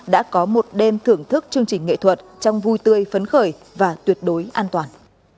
đã có một đêm thưởng thức chương trình nghệ thuật trong vui tươi phấn khởi và tuyệt đối an toàn